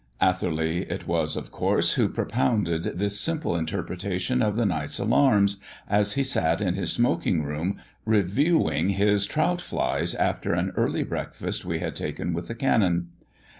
Atherley it was, of course, who propounded this simple interpretation of the night's alarms, as he sat in his smoking room reviewing his trout flies after an early breakfast we had taken with the Canon.